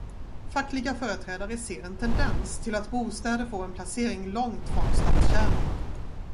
Fackliga företrädare ser en tendens till att bostäder får en placering långt från stadskärnorna.